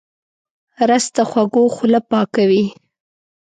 رس د خوږو خوله پاکوي